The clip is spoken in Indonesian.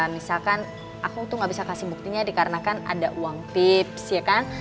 misalkan aku tuh gak bisa kasih buktinya dikarenakan ada uang tips ya kan